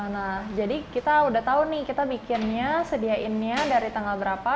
nah jadi kita udah tahu nih kita bikinnya sediainnya dari tanggal berapa